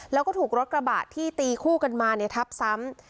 แล้วก็ถูกรถกระบะที่ตีคู่กันมาทับซ้ำ